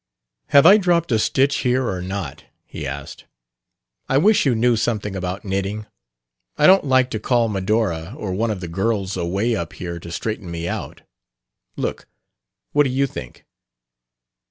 "Have I dropped a stitch here or not?" he asked. "I wish you knew something about knitting; I don't like to call Medora or one of the girls away up here to straighten me out. Look; what do you think?"